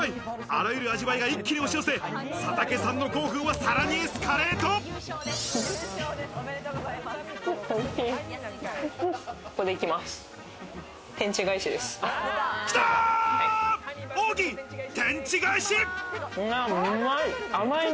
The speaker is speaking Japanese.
あらゆる味わいで一気に押し寄せ、佐竹さんの興奮はさらにエスカレおいしい。